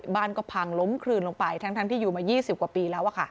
บ้านก็พังล้มคลื่นลงไปทั้งทั้งที่อยู่มายี่สิบกว่าปีแล้วอะค่ะ